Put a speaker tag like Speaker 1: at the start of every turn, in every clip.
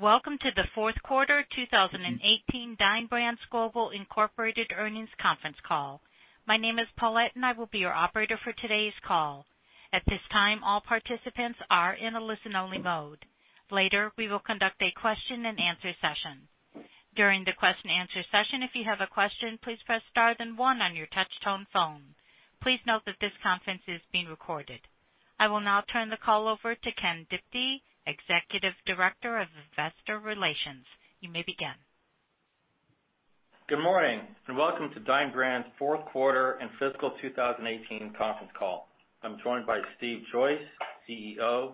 Speaker 1: Welcome to the fourth quarter 2018 Dine Brands Global, Inc. earnings conference call. My name is Paulette, and I will be your operator for today's call. At this time, all participants are in a listen-only mode. Later, we will conduct a question and answer session. During the question and answer session, if you have a question, please press star then one on your touch-tone phone. Please note that this conference is being recorded. I will now turn the call over to Ken Diptee, Executive Director of Investor Relations. You may begin.
Speaker 2: Good morning, and welcome to Dine Brands' fourth quarter and fiscal 2018 conference call. I'm joined by Steve Joyce, CEO,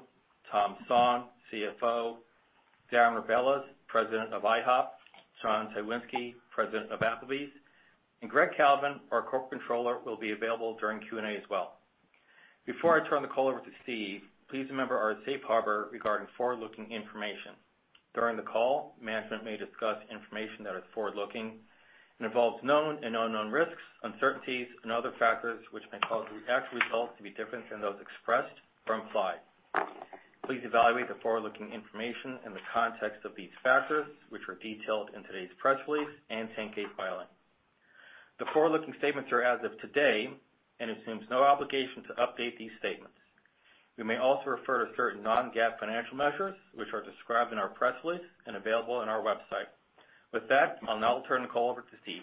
Speaker 2: Tom Song, CFO, Darren Rebelez, President of IHOP, John Cywinski, President of Applebee's, and Greg Kalvin, our Corporate Controller, will be available during Q&A as well. Before I turn the call over to Steve, please remember our safe harbor regarding forward-looking information. During the call, management may discuss information that is forward-looking and involves known and unknown risks, uncertainties, and other factors which may cause actual results to be different than those expressed or implied. Please evaluate the forward-looking information in the context of these factors, which are detailed in today's press release and 10-K filing. The forward-looking statements are as of today and assumes no obligation to update these statements. We may also refer to certain non-GAAP financial measures, which are described in our press release and available on our website. With that, I'll now turn the call over to Steve.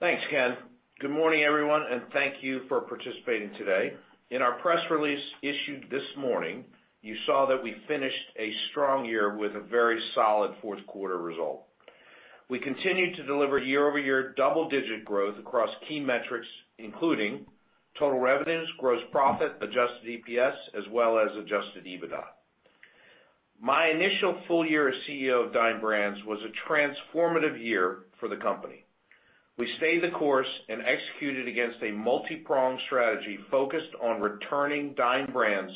Speaker 3: Thanks, Ken. Good morning, everyone, and thank you for participating today. In our press release issued this morning, you saw that we finished a strong year with a very solid fourth quarter result. We continued to deliver year-over-year double-digit growth across key metrics, including total revenues, gross profit, adjusted EPS, as well as adjusted EBITDA. My initial full year as CEO of Dine Brands was a transformative year for the company. We stayed the course and executed against a multi-pronged strategy focused on returning Dine Brands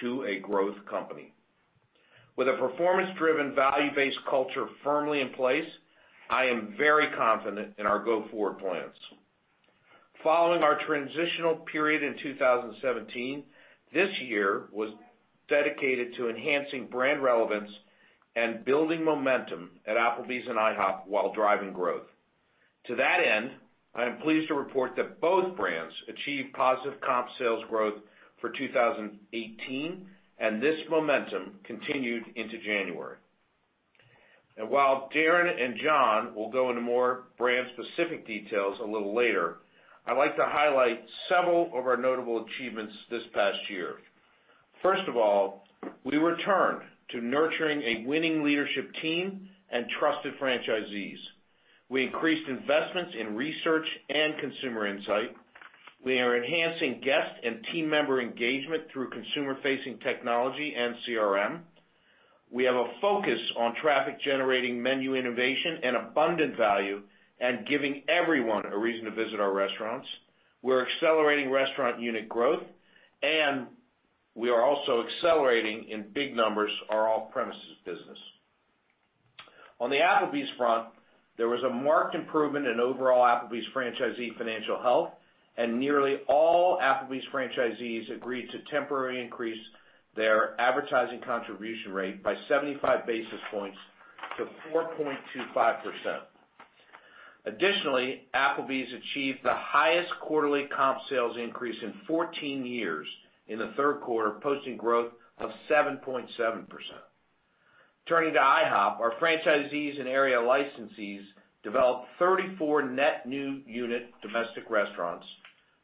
Speaker 3: to a growth company. With a performance-driven, value-based culture firmly in place, I am very confident in our go-forward plans. Following our transitional period in 2017, this year was dedicated to enhancing brand relevance and building momentum at Applebee's and IHOP while driving growth. To that end, I am pleased to report that both brands achieved positive comp sales growth for 2018, this momentum continued into January. While Darren and John will go into more brand-specific details a little later, I'd like to highlight several of our notable achievements this past year. First of all, we returned to nurturing a winning leadership team and trusted franchisees. We increased investments in research and consumer insight. We are enhancing guest and team member engagement through consumer-facing technology and CRM. We have a focus on traffic-generating menu innovation and abundant value and giving everyone a reason to visit our restaurants. We're accelerating restaurant unit growth, and we are also accelerating in big numbers our off-premises business. On the Applebee's front, there was a marked improvement in overall Applebee's franchisee financial health, and nearly all Applebee's franchisees agreed to temporarily increase their advertising contribution rate by 75 basis points to 4.25%. Additionally, Applebee's achieved the highest quarterly comp sales increase in 14 years in the third quarter, posting growth of 7.7%. Turning to IHOP, our franchisees and area licensees developed 34 net new unit domestic restaurants,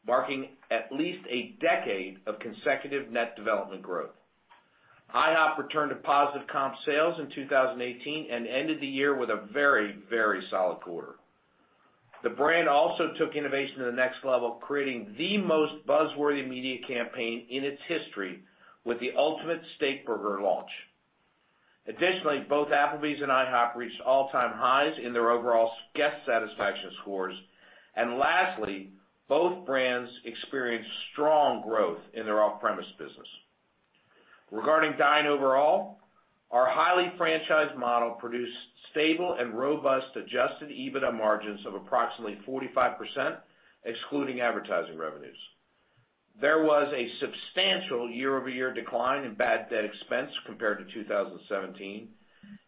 Speaker 3: marking at least a decade of consecutive net development growth. IHOP returned to positive comp sales in 2018 and ended the year with a very solid quarter. The brand also took innovation to the next level, creating the most buzz-worthy media campaign in its history with the Ultimate Steakburgers launch. Additionally, both Applebee's and IHOP reached all-time highs in their overall guest satisfaction scores. Lastly, both brands experienced strong growth in their off-premise business. Regarding Dine Brands overall, our highly franchised model produced stable and robust adjusted EBITDA margins of approximately 45%, excluding advertising revenues. There was a substantial year-over-year decline in bad debt expense compared to 2017,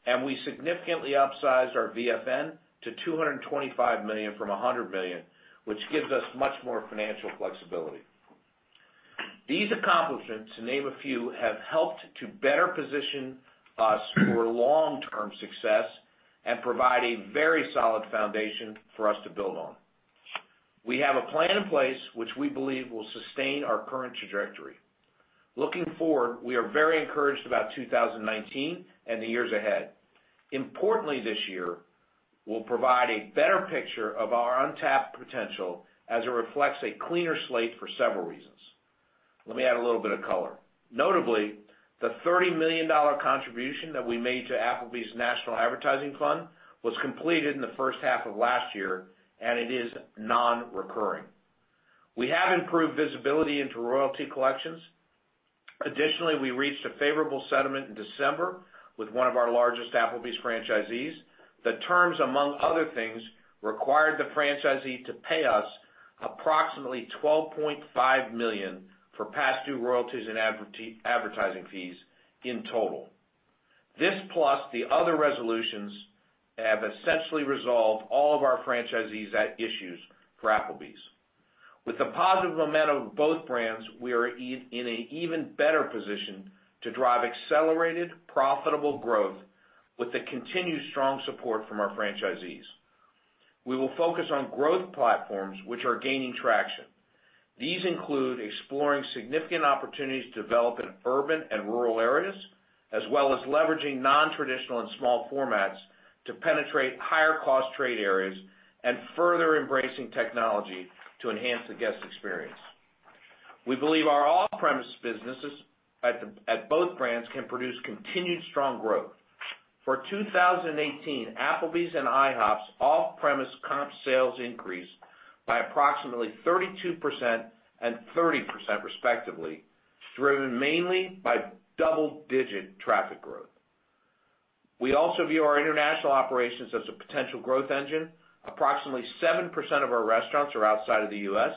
Speaker 3: and we significantly upsized our VFN to $225 million from $100 million, which gives us much more financial flexibility. These accomplishments, to name a few, have helped to better position us for long-term success and provide a very solid foundation for us to build on. We have a plan in place which we believe will sustain our current trajectory. Looking forward, we are very encouraged about 2019 and the years ahead. Importantly, this year will provide a better picture of our untapped potential as it reflects a cleaner slate for several reasons. Let me add a little bit of color. Notably, the $30 million contribution that we made to Applebee's National Advertising Fund was completed in the first half of last year, and it is non-recurring. We have improved visibility into royalty collections. Additionally, we reached a favorable settlement in December with one of our largest Applebee's franchisees. The terms, among other things, required the franchisee to pay us approximately $12.5 million for past due royalties and advertising fees in total. This plus the other resolutions have essentially resolved all of our franchisees' issues for Applebee's. With the positive momentum of both brands, we are in an even better position to drive accelerated, profitable growth with the continued strong support from our franchisees. We will focus on growth platforms which are gaining traction. These include exploring significant opportunities to develop in urban and rural areas, as well as leveraging nontraditional and small formats to penetrate higher cost trade areas and further embracing technology to enhance the guest experience. We believe our off-premise businesses at both brands can produce continued strong growth. For 2018, Applebee's and IHOP's off-premise comp sales increased by approximately 32% and 30% respectively, driven mainly by double-digit traffic growth. We also view our international operations as a potential growth engine. Approximately 7% of our restaurants are outside of the U.S.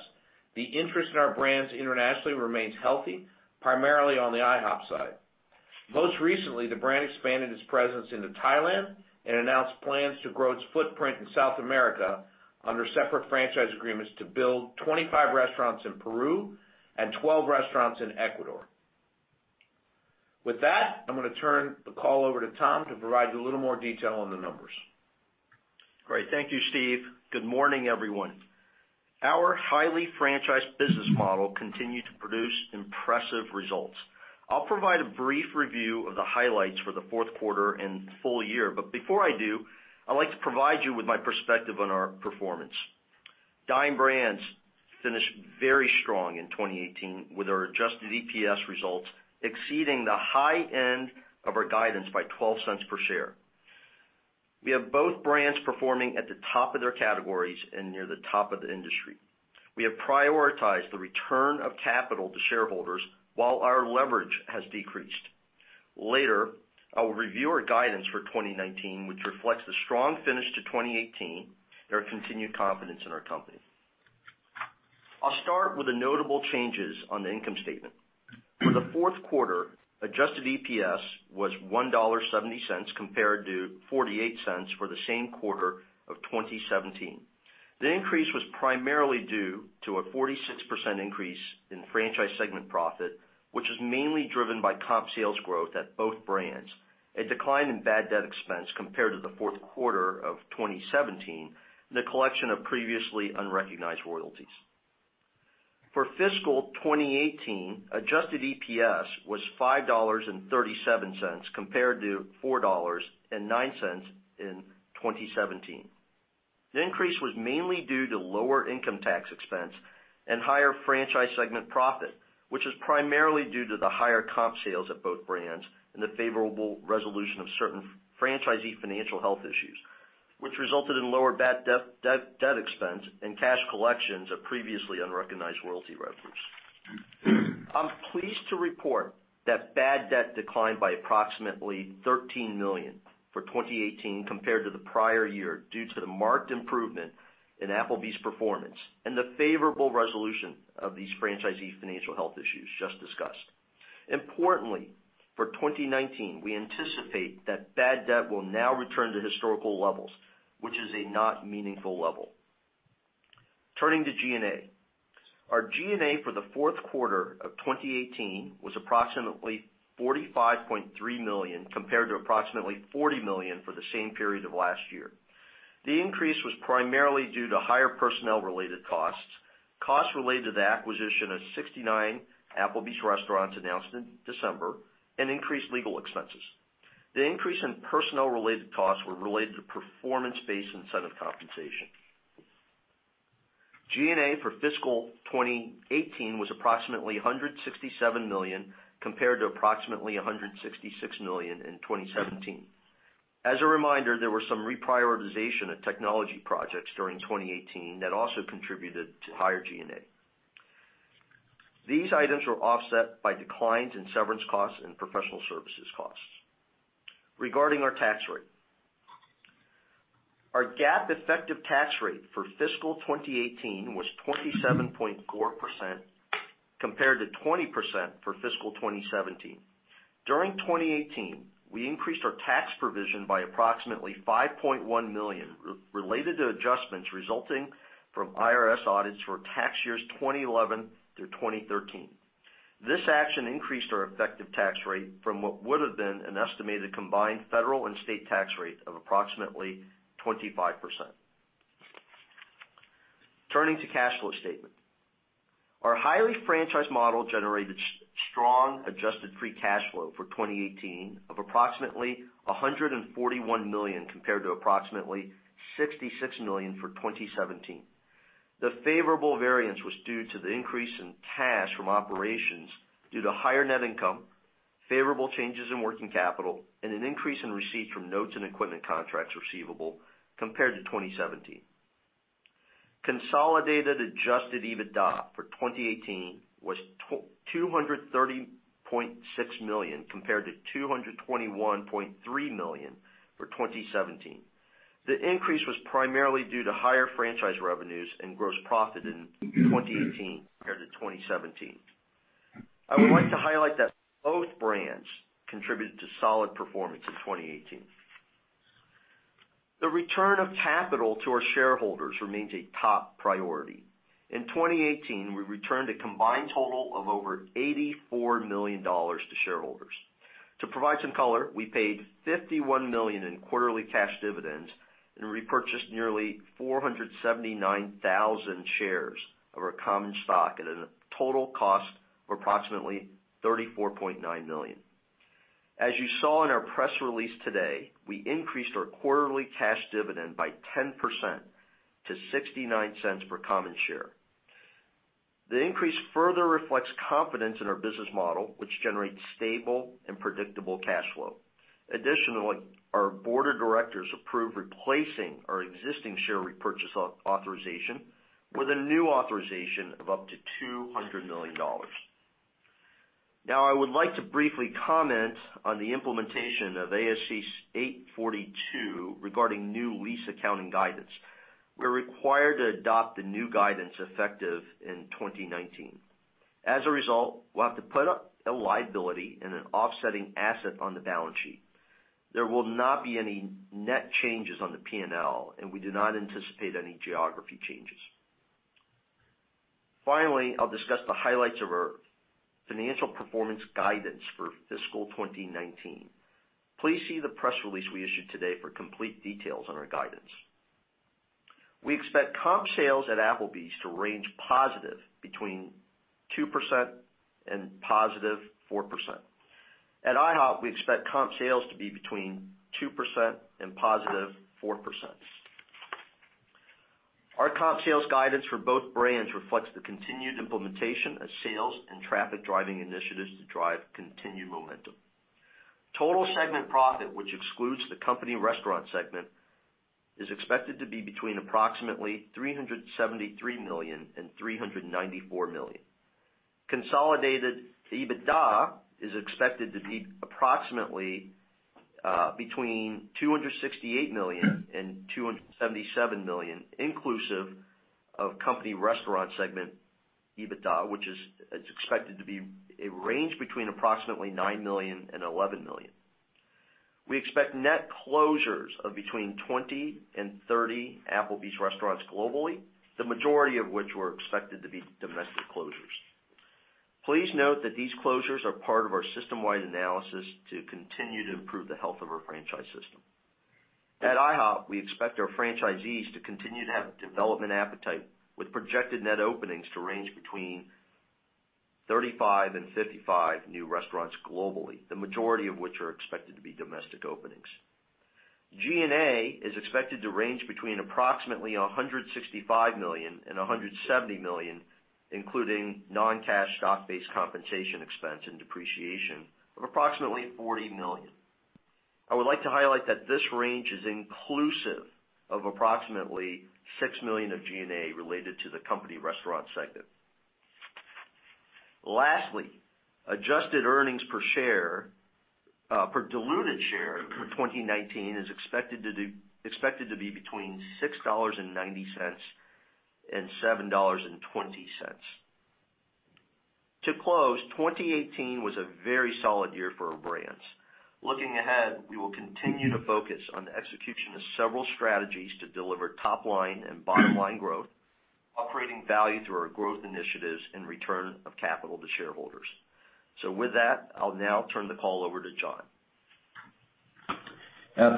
Speaker 3: The interest in our brands internationally remains healthy, primarily on the IHOP side. Most recently, the brand expanded its presence into Thailand and announced plans to grow its footprint in South America under separate franchise agreements to build 25 restaurants in Peru and 12 restaurants in Ecuador. I'm going to turn the call over to Tom to provide a little more detail on the numbers.
Speaker 4: Great. Thank you, Steve. Good morning, everyone. Our highly franchised business model continued to produce impressive results. I'll provide a brief review of the highlights for the fourth quarter and full year, before I do, I'd like to provide you with my perspective on our performance. Dine Brands finished very strong in 2018, with our adjusted EPS results exceeding the high end of our guidance by $0.12 per share. We have both brands performing at the top of their categories and near the top of the industry. We have prioritized the return of capital to shareholders while our leverage has decreased. Later, I will review our guidance for 2019, which reflects the strong finish to 2018 and our continued confidence in our company. I'll start with the notable changes on the income statement. For the fourth quarter, adjusted EPS was $1.70 compared to $0.48 for the same quarter of 2017. The increase was primarily due to a 46% increase in franchise segment profit, which is mainly driven by comp sales growth at both brands, a decline in bad debt expense compared to the fourth quarter of 2017, and the collection of previously unrecognized royalties. For fiscal 2018, adjusted EPS was $5.37 compared to $4.09 in 2017. The increase was mainly due to lower income tax expense and higher franchise segment profit, which is primarily due to the higher comp sales at both brands and the favorable resolution of certain franchisee financial health issues, which resulted in lower bad debt expense and cash collections of previously unrecognized royalty revenues. I'm pleased to report that bad debt declined by approximately $13 million for 2018 compared to the prior year, due to the marked improvement in Applebee's performance and the favorable resolution of these franchisee financial health issues just discussed. Importantly, for 2019, we anticipate that bad debt will now return to historical levels, which is a not meaningful level. Turning to G&A. Our G&A for the fourth quarter of 2018 was approximately $45.3 million, compared to approximately $40 million for the same period of last year. The increase was primarily due to higher personnel-related costs related to the acquisition of 69 Applebee's restaurants announced in December, and increased legal expenses. The increase in personnel-related costs were related to performance-based incentive compensation. G&A for fiscal 2018 was approximately $167 million compared to approximately $166 million in 2017. As a reminder, there were some reprioritization of technology projects during 2018 that also contributed to higher G&A. These items were offset by declines in severance costs and professional services costs. Regarding our tax rate. Our GAAP effective tax rate for fiscal 2018 was 27.4% compared to 20% for fiscal 2017. During 2018, we increased our tax provision by approximately $5.1 million related to adjustments resulting from IRS audits for tax years 2011 through 2013. This action increased our effective tax rate from what would have been an estimated combined federal and state tax rate of approximately 25%. Turning to cash flow statement. Our highly franchised model generated strong adjusted free cash flow for 2018 of approximately $141 million compared to approximately $66 million for 2017. The favorable variance was due to the increase in cash from operations due to higher net income, favorable changes in working capital, and an increase in receipts from notes and equipment contracts receivable compared to 2017. Consolidated adjusted EBITDA for 2018 was $230.6 million compared to $221.3 million for 2017. The increase was primarily due to higher franchise revenues and gross profit in 2018 compared to 2017. I would like to highlight that both brands contributed to solid performance in 2018. The return of capital to our shareholders remains a top priority. In 2018, we returned a combined total of over $84 million to shareholders. To provide some color, we paid $51 million in quarterly cash dividends and repurchased nearly 479,000 shares of our common stock at a total cost of approximately $34.9 million. As you saw in our press release today, we increased our quarterly cash dividend by 10% to $0.69 per common share. The increase further reflects confidence in our business model, which generates stable and predictable cash flow. Our board of directors approved replacing our existing share repurchase authorization with a new authorization of up to $200 million. I would like to briefly comment on the implementation of ASC 842 regarding new lease accounting guidance. We're required to adopt the new guidance effective in 2019. As a result, we'll have to put up a liability and an offsetting asset on the balance sheet. There will not be any net changes on the P&L, and we do not anticipate any geography changes. I'll discuss the highlights of our financial performance guidance for fiscal 2019. Please see the press release we issued today for complete details on our guidance. We expect comp sales at Applebee's to range positive between 2% and positive 4%. At IHOP, we expect comp sales to be between 2% and positive 4%. Our comp sales guidance for both brands reflects the continued implementation of sales and traffic-driving initiatives to drive continued momentum. Total segment profit, which excludes the company restaurant segment, is expected to be between approximately $373 million and $394 million. Consolidated EBITDA is expected to be approximately between $268 million and $277 million, inclusive of company restaurant segment EBITDA, which is expected to be a range between approximately $9 million and $11 million. We expect net closures of between 20 and 30 Applebee's restaurants globally, the majority of which were expected to be domestic closures. Please note that these closures are part of our system-wide analysis to continue to improve the health of our franchise system. At IHOP, we expect our franchisees to continue to have development appetite, with projected net openings to range between 35 and 55 new restaurants globally, the majority of which are expected to be domestic openings. G&A is expected to range between approximately $165 million and $170 million, including non-cash stock-based compensation expense and depreciation of approximately $40 million. I would like to highlight that this range is inclusive of approximately $6 million of G&A related to the company restaurant segment. Lastly, adjusted earnings per share, per diluted share for 2019 is expected to be between $6.90 and $7.20. To close, 2018 was a very solid year for our brands. Looking ahead, we will continue to focus on the execution of several strategies to deliver top-line and bottom-line growth, operating value through our growth initiatives, and return of capital to shareholders. With that, I'll now turn the call over to John.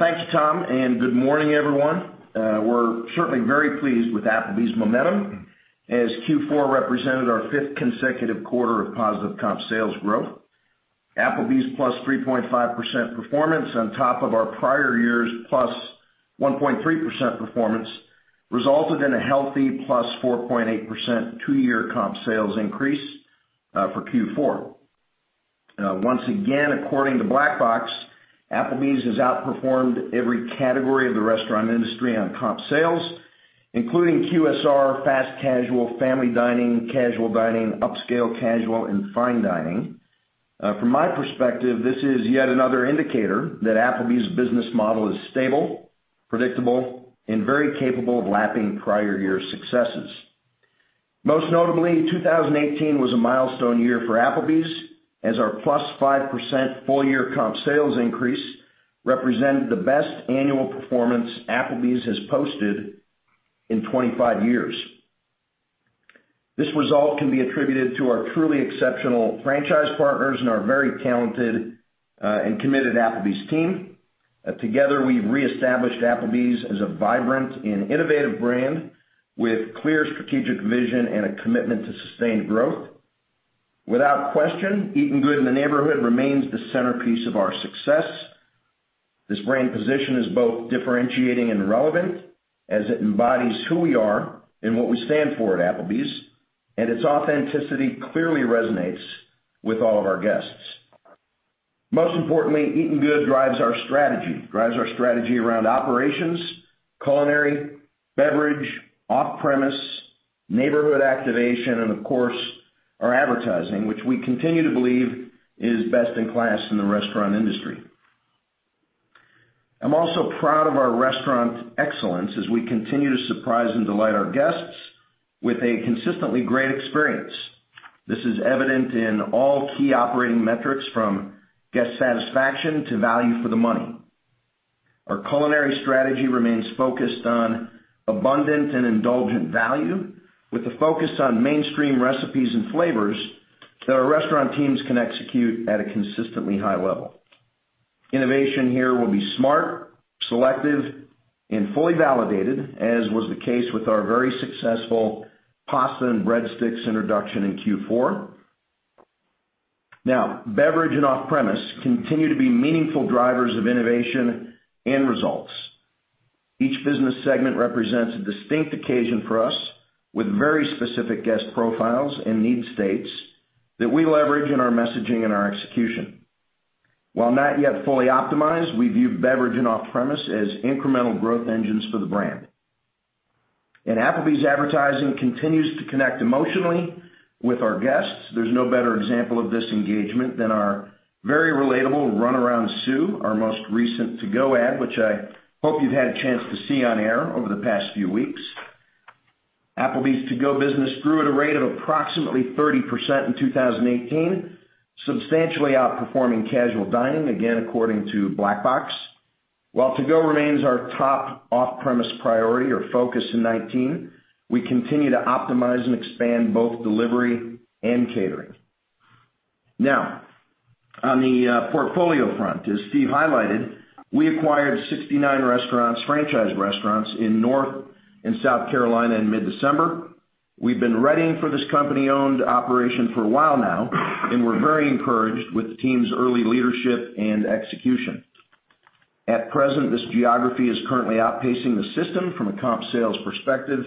Speaker 5: Thanks, Tom, and good morning, everyone. We're certainly very pleased with Applebee's momentum as Q4 represented our fifth consecutive quarter of positive comp sales growth. Applebee's +3.5% performance on top of our prior year's +1.3% performance resulted in a healthy +4.8% two-year comp sales increase for Q4. Once again, according to Black Box, Applebee's has outperformed every category of the restaurant industry on comp sales, including QSR, fast casual, family dining, casual dining, upscale casual, and fine dining. From my perspective, this is yet another indicator that Applebee's business model is stable, predictable, and very capable of lapping prior year successes. Most notably, 2018 was a milestone year for Applebee's, as our +5% full-year comp sales increase represented the best annual performance Applebee's has posted in 25 years. This result can be attributed to our truly exceptional franchise partners and our very talented and committed Applebee's team. Together, we've reestablished Applebee's as a vibrant and innovative brand with clear strategic vision and a commitment to sustained growth. Without question, Eatin' Good in the Neighborhood remains the centerpiece of our success. This brand position is both differentiating and relevant as it embodies who we are and what we stand for at Applebee's, and its authenticity clearly resonates with all of our guests. Most importantly, Eatin' Good drives our strategy. Drives our strategy around operations, culinary, beverage, off-premise, neighborhood activation, and of course, our advertising, which we continue to believe is best in class in the restaurant industry. I'm also proud of our restaurant excellence as we continue to surprise and delight our guests with a consistently great experience. This is evident in all key operating metrics, from guest satisfaction to value for the money. Our culinary strategy remains focused on abundant and indulgent value, with a focus on mainstream recipes and flavors that our restaurant teams can execute at a consistently high level. Innovation here will be smart, selective, and fully validated, as was the case with our very successful pasta and breadsticks introduction in Q4. Beverage and off-premise continue to be meaningful drivers of innovation and results. Each business segment represents a distinct occasion for us with very specific guest profiles and need states that we leverage in our messaging and our execution. While not yet fully optimized, we view beverage and off-premise as incremental growth engines for the brand. Applebee's advertising continues to connect emotionally with our guests. There's no better example of this engagement than our very relatable Runaround Sue, our most recent To Go ad, which I hope you've had a chance to see on air over the past few weeks. Applebee's To Go business grew at a rate of approximately 30% in 2018, substantially outperforming casual dining, again, according to Black Box. While To Go remains our top off-premise priority or focus in 2019, we continue to optimize and expand both delivery and catering. On the portfolio front, as Steve highlighted, we acquired 69 franchise restaurants in North and South Carolina in mid-December. We've been readying for this company-owned operation for a while now, and we're very encouraged with the team's early leadership and execution. At present, this geography is currently outpacing the system from a comp sales perspective.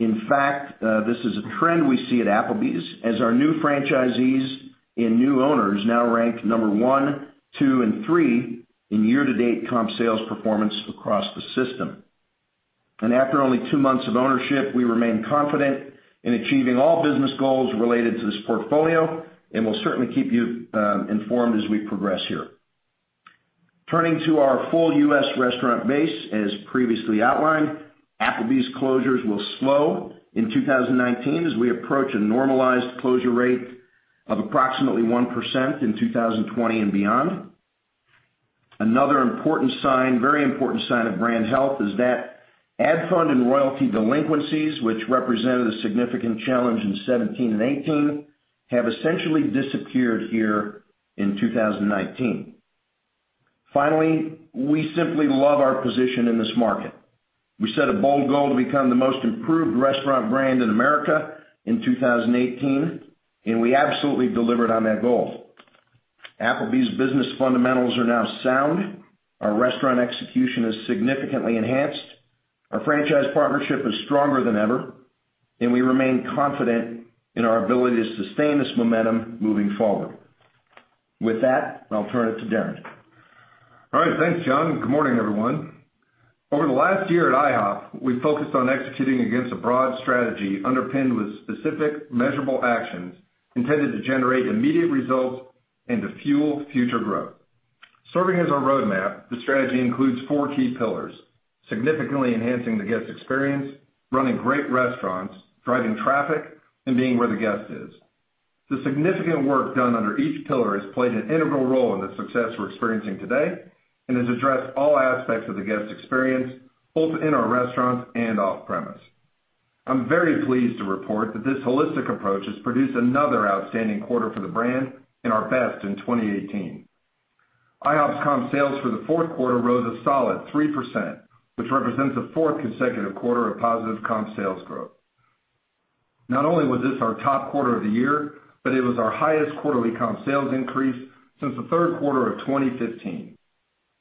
Speaker 5: In fact, this is a trend we see at Applebee's as our new franchisees and new owners now rank number one, two, and three in year-to-date comp sales performance across the system. After only two months of ownership, we remain confident in achieving all business goals related to this portfolio, and we'll certainly keep you informed as we progress here. Turning to our full U.S. restaurant base, as previously outlined, Applebee's closures will slow in 2019 as we approach a normalized closure rate of approximately 1% in 2020 and beyond. Another important sign, very important sign of brand health is that ad fund and royalty delinquencies, which represented a significant challenge in 2017 and 2018, have essentially disappeared here in 2019. Finally, we simply love our position in this market. We set a bold goal to become the most improved restaurant brand in America in 2018, and we absolutely delivered on that goal. Applebee's business fundamentals are now sound. Our restaurant execution is significantly enhanced. Our franchise partnership is stronger than ever, and we remain confident in our ability to sustain this momentum moving forward. With that, I'll turn it to Darren.
Speaker 6: All right. Thanks, John, and good morning, everyone. Over the last year at IHOP, we focused on executing against a broad strategy underpinned with specific, measurable actions intended to generate immediate results and to fuel future growth. Serving as our roadmap, the strategy includes four key pillars: significantly enhancing the guest experience, running great restaurants, driving traffic, and being where the guest is. The significant work done under each pillar has played an integral role in the success we're experiencing today and has addressed all aspects of the guest experience, both in our restaurants and off-premise. I'm very pleased to report that this holistic approach has produced another outstanding quarter for the brand and our best in 2018. IHOP's comp sales for the fourth quarter rose a solid 3%, which represents the fourth consecutive quarter of positive comp sales growth. Not only was this our top quarter of the year, but it was our highest quarterly comp sales increase since the third quarter of 2015.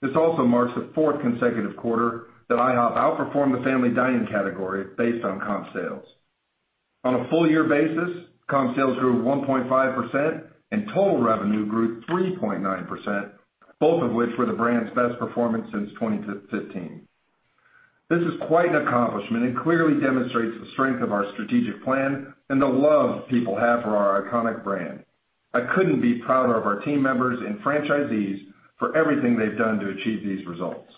Speaker 6: This also marks the fourth consecutive quarter that IHOP outperformed the family dining category based on comp sales. On a full year basis, comp sales grew 1.5% and total revenue grew 3.9%, both of which were the brand's best performance since 2015. This is quite an accomplishment and clearly demonstrates the strength of our strategic plan and the love people have for our iconic brand. I couldn't be prouder of our team members and franchisees for everything they've done to achieve these results.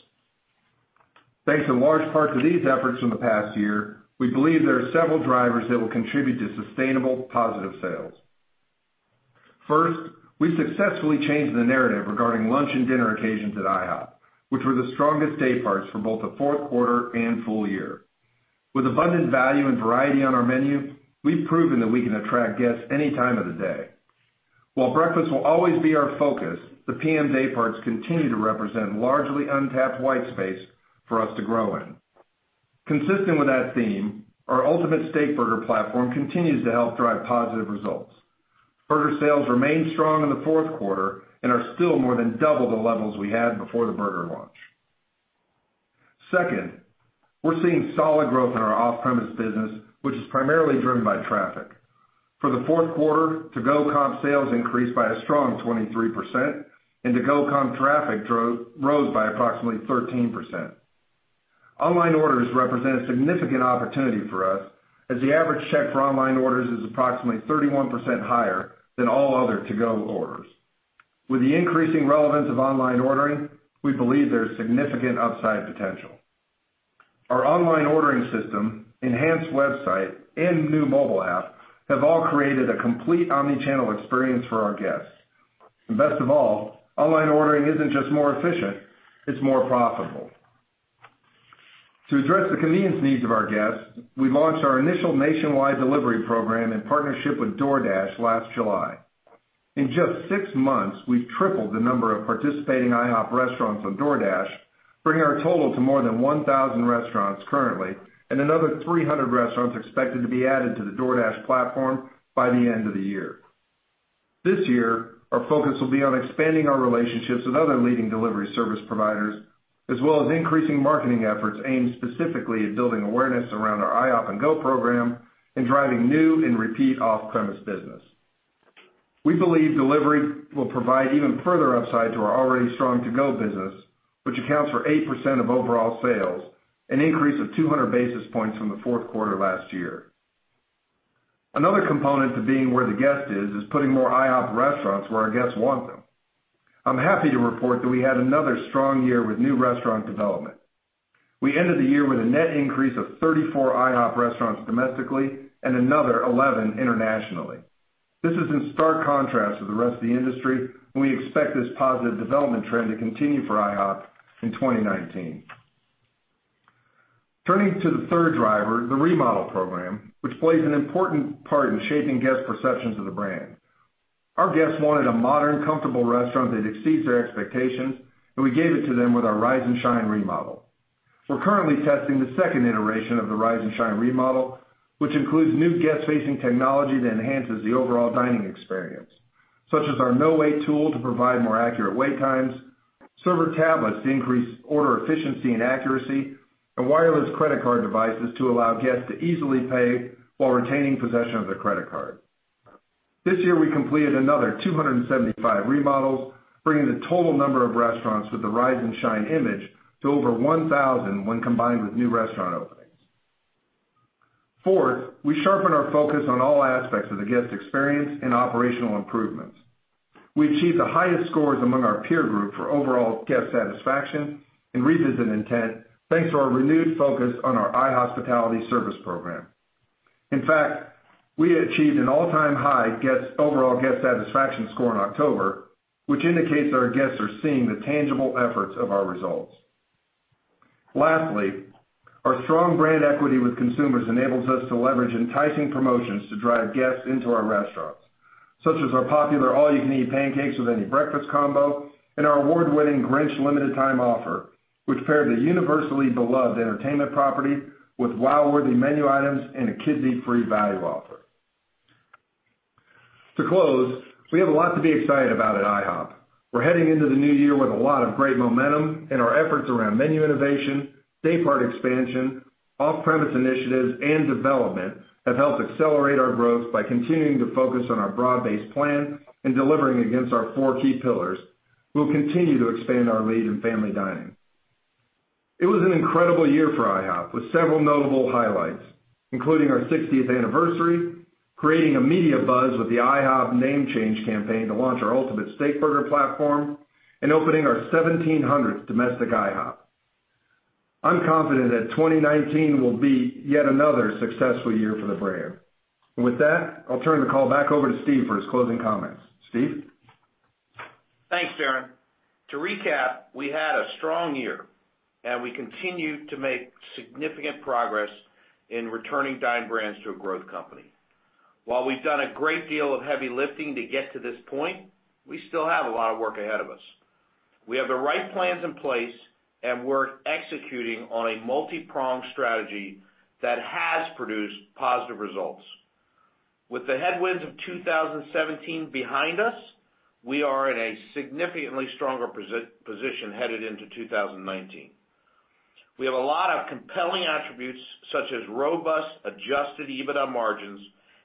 Speaker 6: Thanks in large part to these efforts from the past year, we believe there are several drivers that will contribute to sustainable positive sales. First, we successfully changed the narrative regarding lunch and dinner occasions at IHOP, which were the strongest day parts for both the fourth quarter and full year. With abundant value and variety on our menu, we've proven that we can attract guests any time of the day. While breakfast will always be our focus, the PM day parts continue to represent largely untapped white space for us to grow in. Consistent with that theme, our Ultimate Steakburgers platform continues to help drive positive results. Burger sales remained strong in the fourth quarter and are still more than double the levels we had before the burger launch. Second, we're seeing solid growth in our off-premise business, which is primarily driven by traffic. For the fourth quarter, to-go comp sales increased by a strong 23%, and to-go comp traffic rose by approximately 13%. Online orders represent a significant opportunity for us, as the average check for online orders is approximately 31% higher than all other to-go orders. With the increasing relevance of online ordering, we believe there's significant upside potential. Our online ordering system, enhanced website, and new mobile app have all created a complete omni-channel experience for our guests. Best of all, online ordering isn't just more efficient, it's more profitable. To address the convenience needs of our guests, we launched our initial nationwide delivery program in partnership with DoorDash last July. In just six months, we've tripled the number of participating IHOP restaurants on DoorDash, bringing our total to more than 1,000 restaurants currently, and another 300 restaurants expected to be added to the DoorDash platform by the end of the year. This year, our focus will be on expanding our relationships with other leading delivery service providers, as well as increasing marketing efforts aimed specifically at building awareness around our IHOP 'N GO program and driving new and repeat off-premise business. We believe delivery will provide even further upside to our already strong to-go business, which accounts for 8% of overall sales, an increase of 200 basis points from the fourth quarter last year. Another component to being where the guest is putting more IHOP restaurants where our guests want them. I'm happy to report that we had another strong year with new restaurant development. We ended the year with a net increase of 34 IHOP restaurants domestically and another 11 internationally. This is in stark contrast to the rest of the industry, we expect this positive development trend to continue for IHOP in 2019. Turning to the third driver, the remodel program, which plays an important part in shaping guest perceptions of the brand. Our guests wanted a modern, comfortable restaurant that exceeds their expectations, and we gave it to them with our Rise 'N Shine remodel. We're currently testing the second iteration of the Rise 'N Shine remodel, which includes new guest-facing technology that enhances the overall dining experience, such as our NoWait tool to provide more accurate wait times, server tablets to increase order efficiency and accuracy, and wireless credit card devices to allow guests to easily pay while retaining possession of their credit card. This year, we completed another 275 remodels, bringing the total number of restaurants with the Rise 'N Shine image to over 1,000 when combined with new restaurant openings. Fourth, we sharpen our focus on all aspects of the guest experience and operational improvements. We achieved the highest scores among our peer group for overall guest satisfaction and revisit intent, thanks to our renewed focus on our iHospitality service program. In fact, we achieved an all-time high overall guest satisfaction score in October, which indicates that our guests are seeing the tangible efforts of our results. Lastly, our strong brand equity with consumers enables us to leverage enticing promotions to drive guests into our restaurants, such as our popular All-You-Can-Eat Pancakes with any breakfast combo and our award-winning Grinch limited time offer, which paired a universally beloved entertainment property with wow-worthy menu items and a kids-eat-free value offer. To close, we have a lot to be excited about at IHOP. We're heading into the new year with a lot of great momentum, and our efforts around menu innovation, day part expansion, off-premise initiatives, and development have helped accelerate our growth by continuing to focus on our broad-based plan and delivering against our four key pillars. We'll continue to expand our lead in family dining. It was an incredible year for IHOP, with several notable highlights, including our 60th anniversary, creating a media buzz with the IHOP name change campaign to launch our Ultimate Steakburgers platform, and opening our 1,700th domestic IHOP. I'm confident that 2019 will be yet another successful year for the brand. With that, I'll turn the call back over to Steve for his closing comments. Steve?
Speaker 3: Thanks, Darren. To recap, we had a strong year, and we continue to make significant progress in returning Dine Brands to a growth company. While we've done a great deal of heavy lifting to get to this point, we still have a lot of work ahead of us. We have the right plans in place, and we're executing on a multi-pronged strategy that has produced positive results. With the headwinds of 2017 behind us, we are in a significantly stronger position headed into 2019. We have a lot of compelling attributes, such as robust adjusted EBITDA margins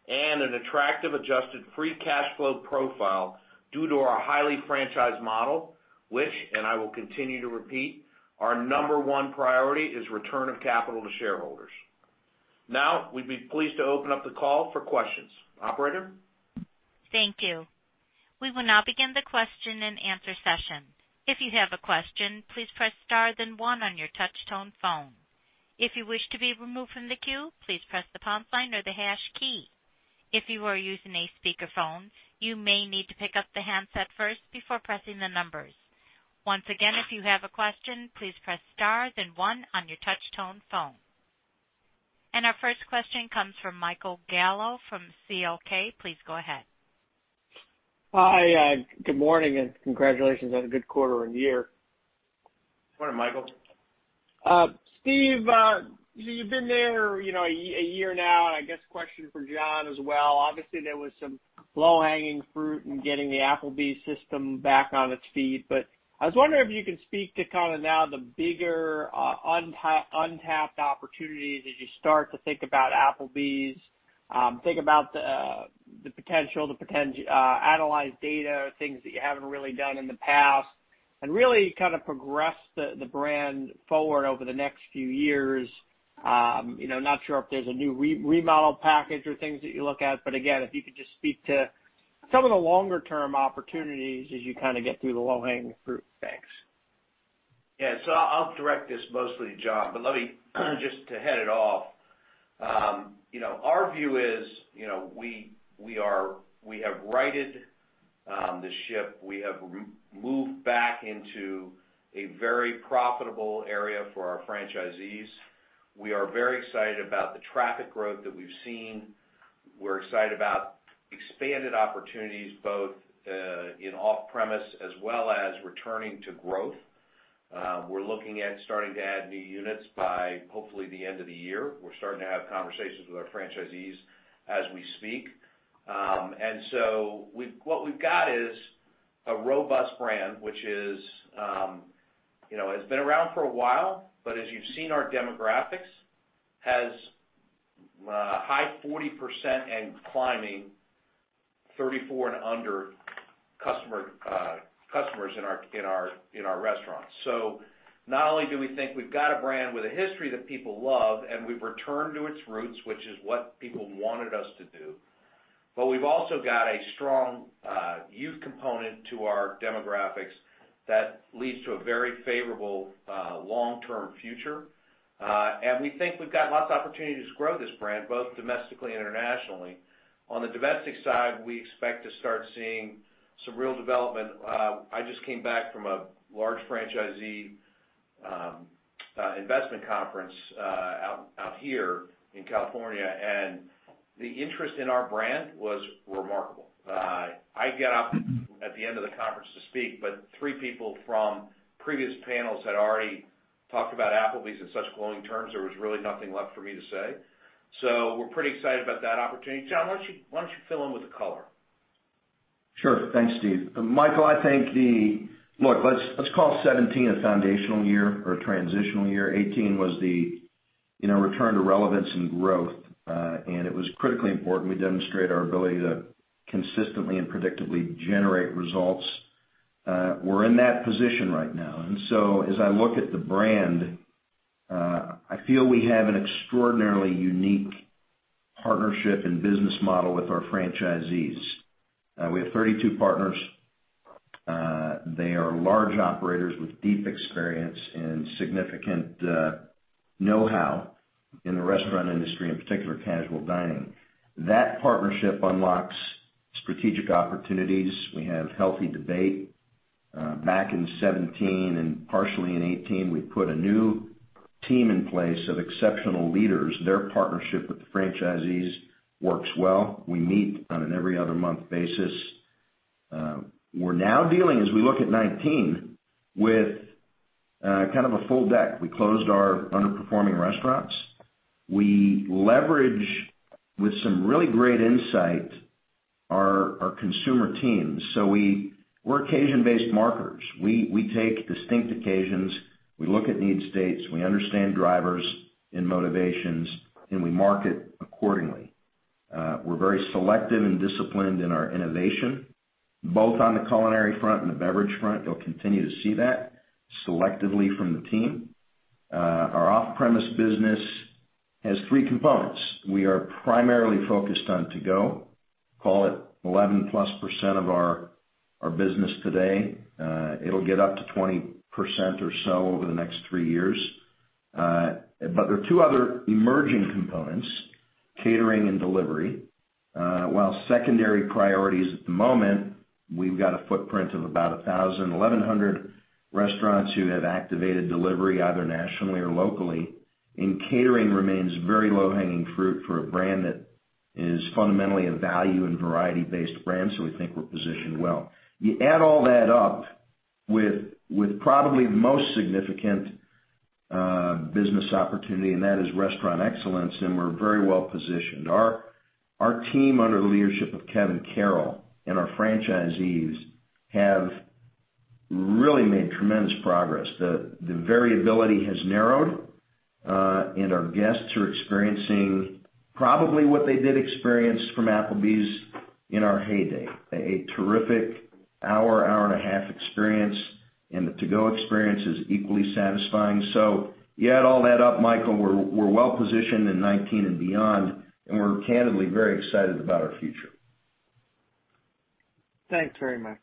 Speaker 3: and an attractive adjusted free cash flow profile due to our highly franchised model, which, and I will continue to repeat, our number 1 priority is return of capital to shareholders. We'd be pleased to open up the call for questions. Operator?
Speaker 1: Thank you. We will now begin the question and answer session. If you have a question, please press star then one on your touch tone phone. If you wish to be removed from the queue, please press the pound sign or the hash key. If you are using a speakerphone, you may need to pick up the handset first before pressing the numbers. Once again, if you have a question, please press star then one on your touch tone phone. Our first question comes from Michael Gallo from CLK. Please go ahead.
Speaker 7: Hi, good morning, and congratulations on a good quarter and year.
Speaker 3: Morning, Michael.
Speaker 7: Steve, you've been there a year now. I guess a question for John as well. Obviously, there was some low-hanging fruit in getting the Applebee's system back on its feet. I was wondering if you could speak to kind of now the bigger untapped opportunities as you start to think about Applebee's. Think about the potential to analyze data, things that you haven't really done in the past, and really progress the brand forward over the next few years. I'm not sure if there's a new remodel package or things that you look at. Again, if you could just speak to some of the longer-term opportunities as you get through the low-hanging fruit. Thanks.
Speaker 3: Yeah. I'll direct this mostly to John, but let me just head it off. Our view is, we have righted the ship. We have moved back into a very profitable area for our franchisees. We are very excited about the traffic growth that we've seen. We're excited about expanded opportunities, both in off-premise as well as returning to growth. We're looking at starting to add new units by hopefully the end of the year. We're starting to have conversations with our franchisees as we speak. What we've got is a robust brand, which has been around for a while, but as you've seen our demographics, has a high 40% and climbing 34 and under customers in our restaurants. Not only do we think we've got a brand with a history that people love, we've returned to its roots, which is what people wanted us to do, we've also got a strong youth component to our demographics that leads to a very favorable long-term future. We think we've got lots of opportunities to grow this brand, both domestically and internationally. On the domestic side, we expect to start seeing some real development. I just came back from a large franchisee investment conference out here in California. The interest in our brand was remarkable. I got up at the end of the conference to speak, but three people from previous panels had already talked about Applebee's in such glowing terms, there was really nothing left for me to say. We're pretty excited about that opportunity. John, why don't you fill in with the color?
Speaker 5: Sure. Thanks, Steve. Michael, look, let's call 2017 a foundational year or transitional year. 2018 was the return to relevance and growth. It was critically important we demonstrate our ability to consistently and predictably generate results. We're in that position right now. As I look at the brand, I feel we have an extraordinarily unique partnership and business model with our franchisees. We have 32 partners. They are large operators with deep experience and significant know-how in the restaurant industry, in particular, casual dining. That partnership unlocks strategic opportunities. We have healthy debate. Back in 2017 and partially in 2018, we put a new team in place of exceptional leaders. Their partnership with the franchisees works well. We meet on an every other month basis. We're now dealing, as we look at 2019, with kind of a full deck. We closed our underperforming restaurants. We leverage, with some really great insight, our consumer teams. We're occasion-based marketers. We take distinct occasions, we look at need states, we understand drivers and motivations, and we market accordingly. We're very selective and disciplined in our innovation, both on the culinary front and the beverage front. You'll continue to see that selectively from the team. Our off-premise business has three components. We are primarily focused on to-go, call it 11+% of our business today. It'll get up to 20% or so over the next three years. There are two other emerging components, catering and delivery. While secondary priority is at the moment, we've got a footprint of about 1,000, 1,100 restaurants who have activated delivery either nationally or locally. Catering remains very low-hanging fruit for a brand that is fundamentally a value and variety-based brand. We think we're positioned well. You add all that up with probably the most significant business opportunity, and that is restaurant excellence, and we're very well positioned. Our team, under the leadership of Kevin Carroll and our franchisees, have really made tremendous progress. The variability has narrowed, and our guests are experiencing probably what they did experience from Applebee's in our heyday. A terrific hour and a half experience, and the to-go experience is equally satisfying. You add all that up, Michael, we're well positioned in 2019 and beyond, and we're candidly very excited about our future.
Speaker 7: Thanks very much.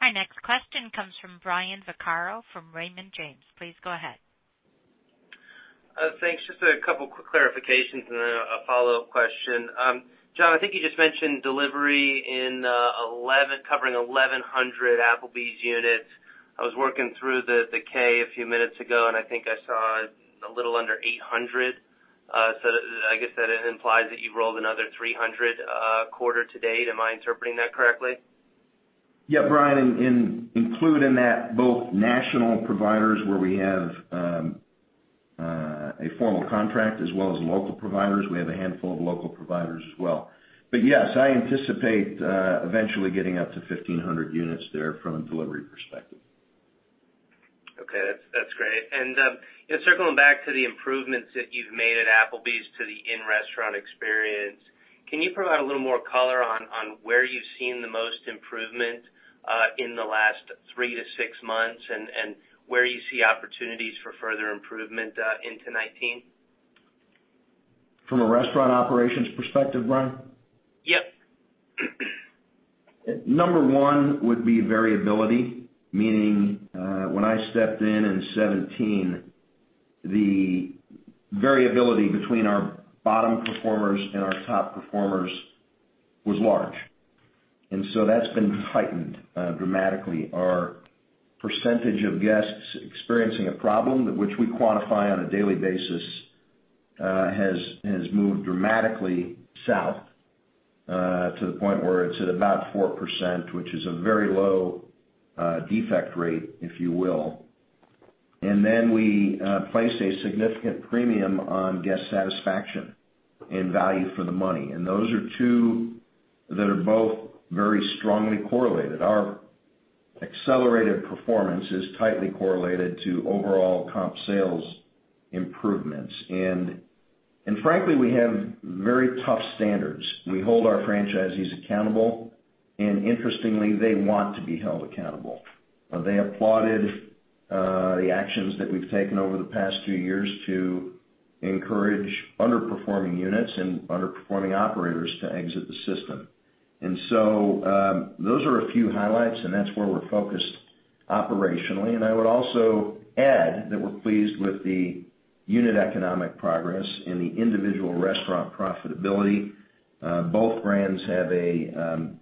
Speaker 1: Our next question comes from Brian Vaccaro from Raymond James. Please go ahead.
Speaker 8: Thanks. Just a couple quick clarifications and a follow-up question. John, I think you just mentioned delivery covering 1,100 Applebee's units. I was working through the 10-K a few minutes ago, and I think I saw a little under 800. I guess that implies that you've rolled another 300 quarter to date. Am I interpreting that correctly?
Speaker 5: Yeah, Brian, include in that both national providers where we have a formal contract as well as local providers. We have a handful of local providers as well. Yes, I anticipate eventually getting up to 1,500 units there from a delivery perspective.
Speaker 8: Okay. That's great. Circling back to the improvements that you've made at Applebee's to the in-restaurant experience, can you provide a little more color on where you've seen the most improvement in the last three to six months, and where you see opportunities for further improvement into 2019?
Speaker 5: From a restaurant operations perspective, Brian?
Speaker 8: Yep.
Speaker 5: Number one would be variability, meaning when I stepped in in 2017, the variability between our bottom performers and our top performers was large, that's been tightened dramatically. Our percentage of guests experiencing a problem, which we quantify on a daily basis, has moved dramatically south to the point where it's at about 4%, which is a very low defect rate, if you will. Then we placed a significant premium on guest satisfaction and value for the money. Those are two that are both very strongly correlated. Our accelerated performance is tightly correlated to overall comp sales improvements. Frankly, we have very tough standards. We hold our franchisees accountable, interestingly, they want to be held accountable. They applauded the actions that we've taken over the past two years to encourage underperforming units and underperforming operators to exit the system. Those are a few highlights, and that's where we're focused operationally. I would also add that we're pleased with the unit economic progress and the individual restaurant profitability. Both brands have a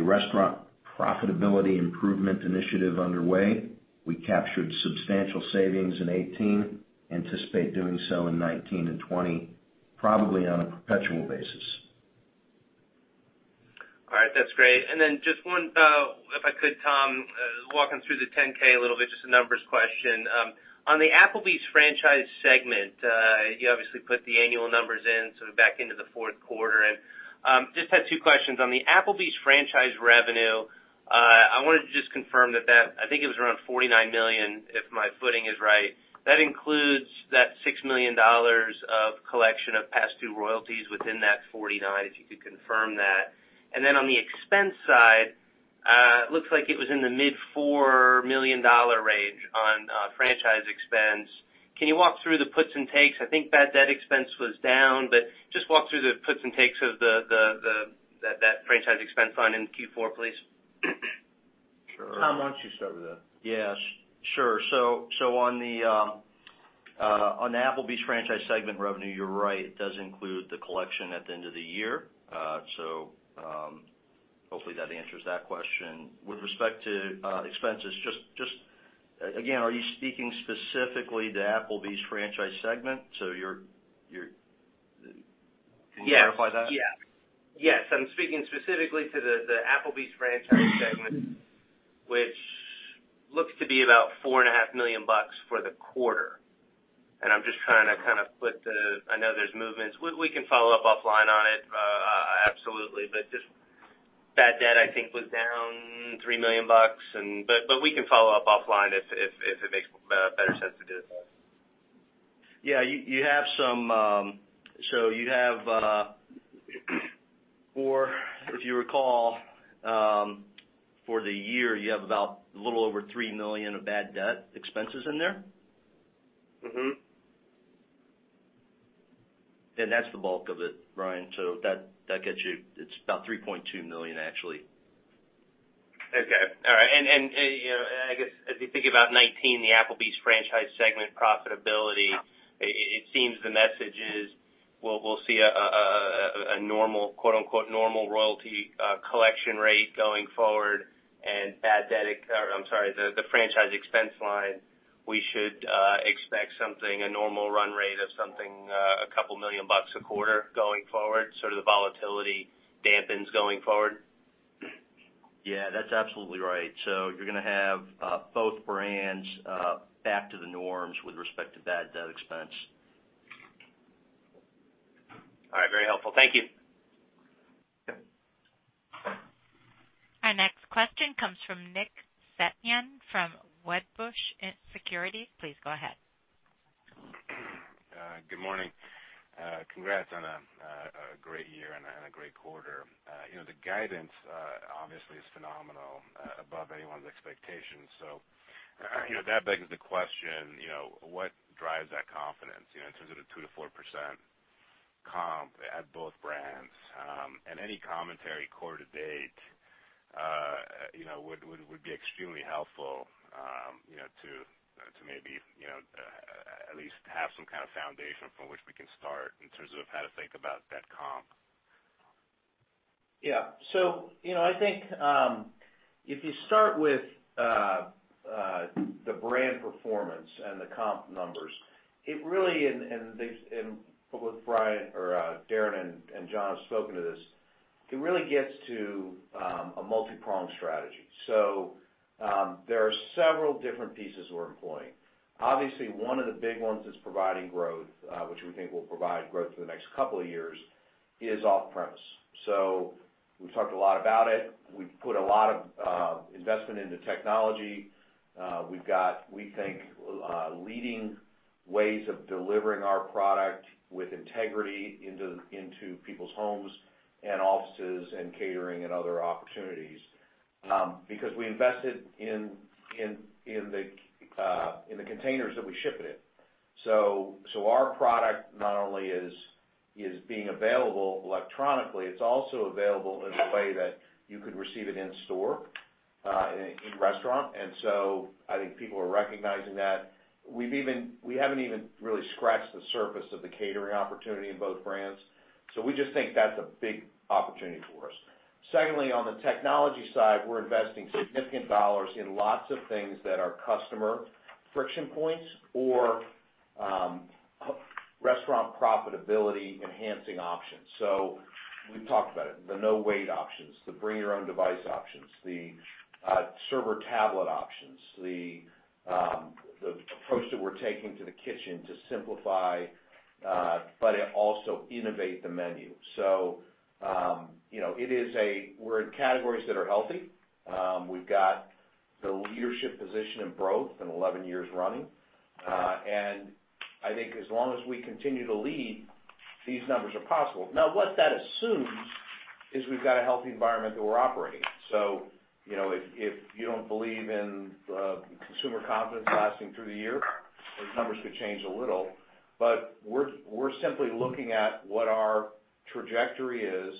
Speaker 5: restaurant profitability improvement initiative underway. We captured substantial savings in 2018, anticipate doing so in 2019 and 2020, probably on a perpetual basis.
Speaker 8: All right. That's great. Just one, if I could, Tom, walking through the 10-K a little bit, just a numbers question. On the Applebee's franchise segment, you obviously put the annual numbers in back into the fourth quarter, and just had two questions. On the Applebee's franchise revenue, I wanted to just confirm that, I think it was around $49 million, if my footing is right. That includes that $6 million of collection of past due royalties within that $49 million, if you could confirm that. On the expense side, looks like it was in the mid $4 million range on franchise expense. Can you walk through the puts and takes? I think bad debt expense was down, but just walk through the puts and takes of that franchise expense line in Q4, please.
Speaker 4: Sure.
Speaker 3: Tom, why don't you start with that?
Speaker 4: Yeah. Sure. On the Applebee's franchise segment revenue, you're right, it does include the collection at the end of the year. Hopefully that answers that question. With respect to expenses, just again, are you speaking specifically to Applebee's franchise segment? Can you clarify that?
Speaker 8: Yes. I'm speaking specifically to the Applebee's franchise segment, which looks to be about $4.5 million for the quarter. I know there's movements. We can follow up offline on it, absolutely. Just bad debt, I think, was down $3 million. We can follow up offline if it makes better sense to do it that way.
Speaker 4: Yeah. If you recall, for the year, you have about a little over $3 million of bad debt expenses in there. That's the bulk of it, Brian. It's about $3.2 million, actually.
Speaker 8: Okay. All right. I guess, as we think about 2019, the Applebee's franchise segment profitability, it seems the message is we'll see a quote unquote normal royalty collection rate going forward and the franchise expense line, we should expect a normal run rate of something a couple million dollars a quarter going forward, sort of the volatility dampens going forward?
Speaker 4: Yeah, that's absolutely right. You're going to have both brands back to the norms with respect to bad debt expense.
Speaker 8: All right. Very helpful. Thank you.
Speaker 3: Yep.
Speaker 1: Our next question comes from Nick Setyan from Wedbush Securities. Please go ahead.
Speaker 9: Good morning. Congrats on a great year and a great quarter. That begs the question, what drives that confidence in terms of the 2%-4% comp at both brands? Any commentary quarter to date would be extremely helpful to maybe at least have some kind of foundation from which we can start in terms of how to think about that comp.
Speaker 3: Yeah. I think if you start with the brand performance and the comp numbers, both Brian or Darren and John have spoken to this, it really gets to a multi-pronged strategy. There are several different pieces we're employing. Obviously, one of the big ones is providing growth, which we think will provide growth for the next couple of years is off-premise. We've talked a lot about it. We've put a lot of investment into technology. We've got, we think, leading ways of delivering our product with integrity into people's homes and offices and catering and other opportunities, because we invested in the containers that we ship it in. Our product not only is being available electronically, it's also available in a way that you could receive it in store, in restaurant. I think people are recognizing that. We haven't even really scratched the surface of the catering opportunity in both brands. We just think that's a big opportunity for us. Secondly, on the technology side, we're investing significant dollars in lots of things that are customer friction points or restaurant profitability enhancing options. We've talked about it, the NoWait options, the bring your own device options, the server tablet options, the approach that we're taking to the kitchen to simplify, but also innovate the menu. We're in categories that are healthy. We've got the leadership position in growth in 11 years running. I think as long as we continue to lead, these numbers are possible. What that assumes is we've got a healthy environment that we're operating in. If you don't believe in consumer confidence lasting through the year, those numbers could change a little, but we're simply looking at what our trajectory is,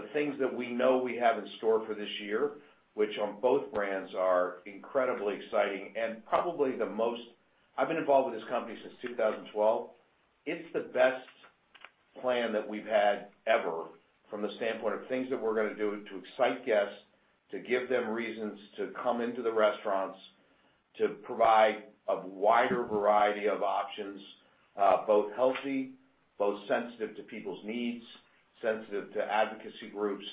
Speaker 3: the things that we know we have in store for this year, which on both brands are incredibly exciting and probably the most. I've been involved with this company since 2012. It's the best plan that we've had ever from the standpoint of things that we're going to do to excite guests, to give them reasons to come into the restaurants, to provide a wider variety of options, both healthy, both sensitive to people's needs, sensitive to advocacy groups,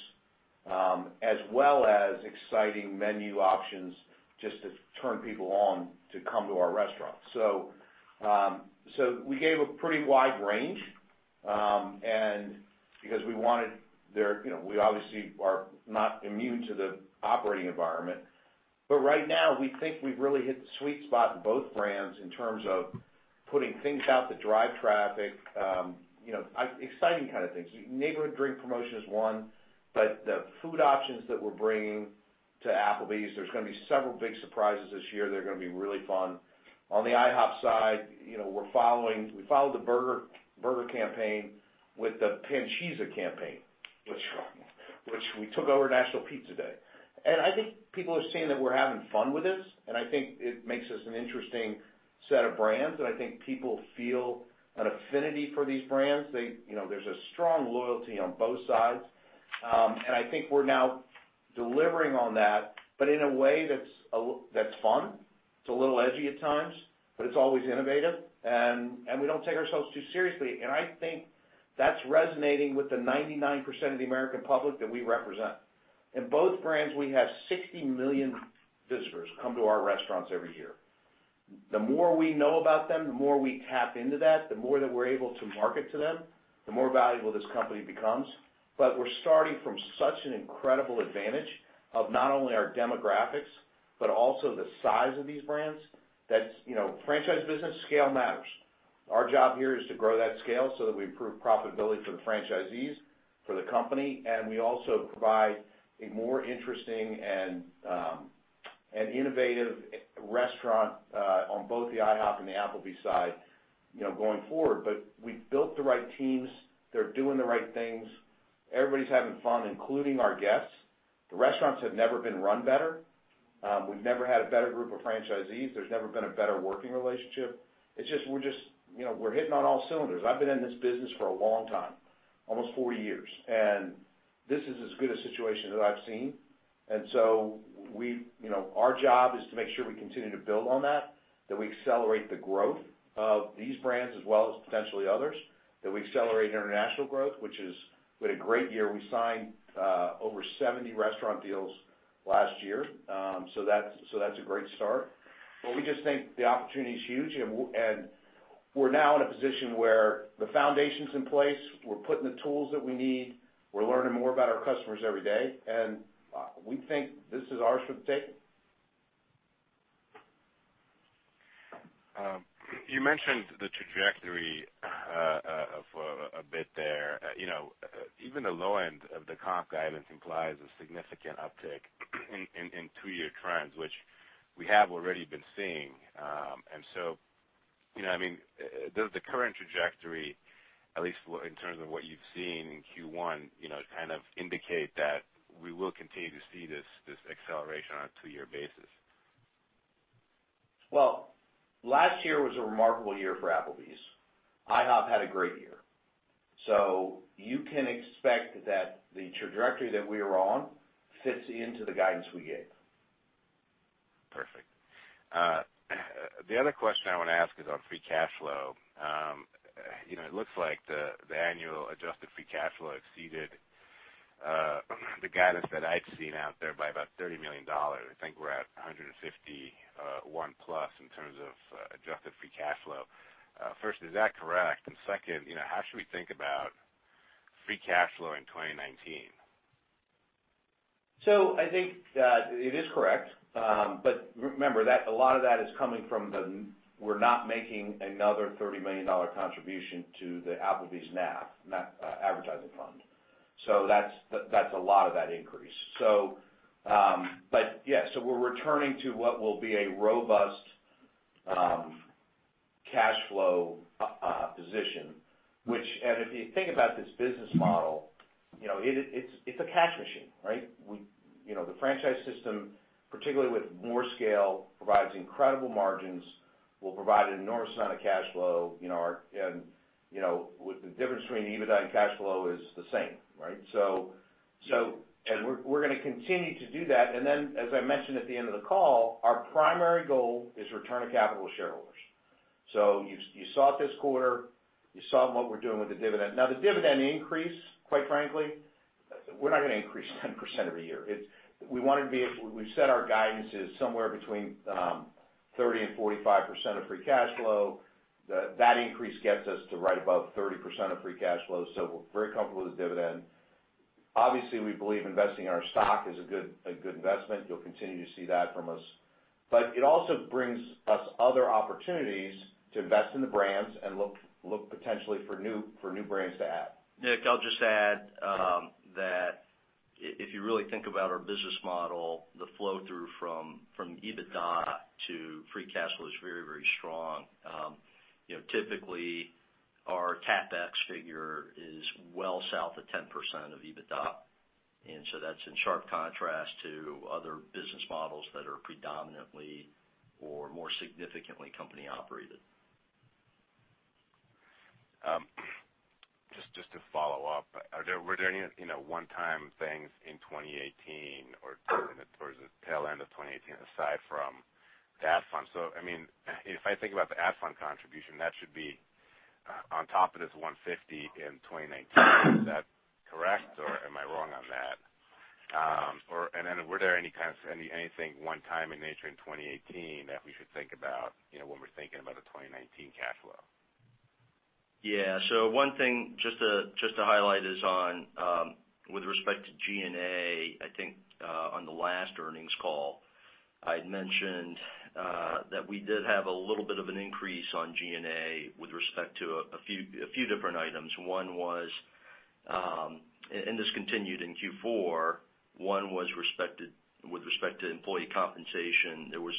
Speaker 3: as well as exciting menu options just to turn people on to come to our restaurants. We gave a pretty wide range, because we obviously are not immune to the operating environment. Right now, we think we've really hit the sweet spot in both brands in terms of putting things out that drive traffic, exciting kind of things. Neighborhood drink promotion is one. The food options that we're bringing to Applebee's, there's going to be several big surprises this year that are going to be really fun. On the IHOP side, we followed the burger campaign with the Pancizza campaign, which we took over National Pizza Day. I think people are seeing that we're having fun with this. I think it makes us an interesting set of brands. I think people feel an affinity for these brands. There's a strong loyalty on both sides. I think we're now delivering on that, in a way that's fun. It's a little edgy at times, it's always innovative. We don't take ourselves too seriously. I think that's resonating with the 99% of the American public that we represent. In both brands, we have 60 million visitors come to our restaurants every year. The more we know about them, the more we tap into that, the more that we're able to market to them, the more valuable this company becomes. We're starting from such an incredible advantage of not only our demographics, but also the size of these brands. Franchise business, scale matters. Our job here is to grow that scale so that we improve profitability for the franchisees, for the company, and we also provide a more interesting and innovative restaurant on both the IHOP and the Applebee's side going forward. We've built the right teams. They're doing the right things. Everybody's having fun, including our guests. The restaurants have never been run better. We've never had a better group of franchisees. There's never been a better working relationship. We're hitting on all cylinders. I've been in this business for a long time, almost 40 years. This is as good a situation that I've seen. Our job is to make sure we continue to build on that we accelerate the growth of these brands as well as potentially others, that we accelerate international growth. We had a great year. We signed over 70 restaurant deals last year. That's a great start. We just think the opportunity is huge, and we're now in a position where the foundation's in place. We're putting the tools that we need. We're learning more about our customers every day, and we think this is ours for the taking.
Speaker 9: You mentioned the trajectory a bit there. Even the low end of the comp guidance implies a significant uptick in two-year trends, which we have already been seeing. Does the current trajectory, at least in terms of what you've seen in Q1, kind of indicate that we will continue to see this acceleration on a two-year basis?
Speaker 3: Last year was a remarkable year for Applebee's. IHOP had a great year. You can expect that the trajectory that we are on fits into the guidance we gave.
Speaker 9: Perfect. The other question I want to ask is on free cash flow. It looks like the annual adjusted free cash flow exceeded the guidance that I've seen out there by about $30 million. I think we're at 151 plus in terms of adjusted free cash flow. First, is that correct? Second, how should we think about free cash flow in 2019?
Speaker 3: I think that it is correct. Remember that a lot of that is coming from, we're not making another $30 million contribution to the Applebee's NAF advertising fund. That's a lot of that increase. We're returning to what will be a robust cash flow position, and if you think about this business model, it's a cash machine, right? The franchise system, particularly with more scale, provides incredible margins, will provide an enormous amount of cash flow, and the difference between EBITDA and cash flow is the same, right? We're going to continue to do that. As I mentioned at the end of the call, our primary goal is return of capital to shareholders. You saw it this quarter. You saw what we're doing with the dividend. The dividend increase, quite frankly, we're not going to increase 10% every year. We set our guidance somewhere between 30% and 45% of free cash flow. That increase gets us to right above 30% of free cash flow. We're very comfortable with the dividend. Obviously, we believe investing in our stock is a good investment. You'll continue to see that from us. It also brings us other opportunities to invest in the brands and look potentially for new brands to add.
Speaker 4: Nick, I'll just add that if you really think about our business model, the flow-through from EBITDA to free cash flow is very strong. Typically, our CapEx figure is well south of 10% of EBITDA, that's in sharp contrast to other business models that are predominantly or more significantly company operated.
Speaker 9: Just to follow up, were there any one-time things in 2018 or towards the tail end of 2018 aside from the ad fund? If I think about the ad fund contribution, that should be on top of this $150 in 2019. Is that correct, or am I wrong on that? Were there any one-time in nature in 2018 that we should think about when we're thinking about a 2019 cash flow?
Speaker 4: One thing just to highlight is on with respect to G&A, I think on the last earnings call, I'd mentioned that we did have a little bit of an increase on G&A with respect to a few different items. One was, and this continued in Q4, one was with respect to employee compensation. There was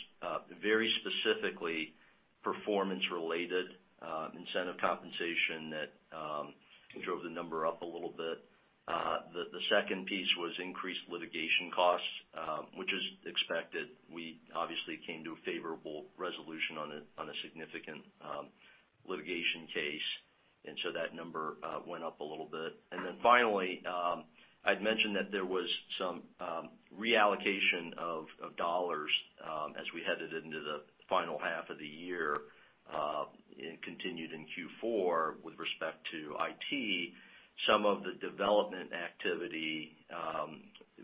Speaker 4: very specifically performance related incentive compensation that drove the number up a little bit. The second piece was increased litigation costs, which is expected. We obviously came to a favorable resolution on a significant litigation case, that number went up a little bit. Finally, I'd mentioned that there was some reallocation of dollars as we headed into the final half of the year, and continued in Q4 with respect to IT. Some of the development activity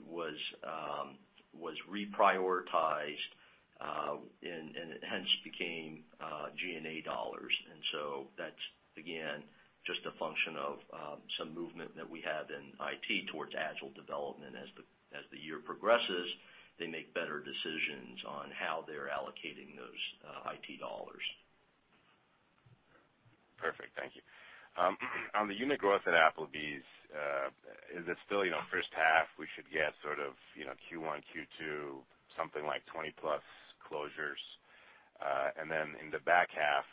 Speaker 4: was reprioritized, and it hence became G&A dollars. That's again, just a function of some movement that we had in IT towards agile development. As the year progresses, they make better decisions on how they're allocating those IT dollars.
Speaker 9: Perfect. Thank you. On the unit growth at Applebee's, is it still first half we should get sort of Q1, Q2, something like 20 plus closures? In the back half,